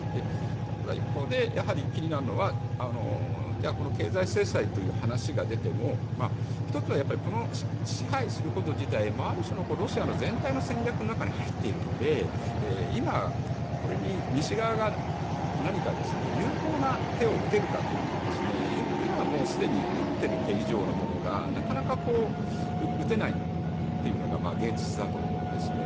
ただ、一方で気になるのはこの経済制裁という話が出ても１つは支配すること自体ある種、ロシアの全体戦略の中に入っているので今、これに西側が何か有効な手を打てるかというと今、すでに打っている手以上のものがなかなか、打てないというのが現実だと思うんですよね。